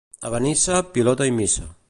A Benissa, pilota i missa.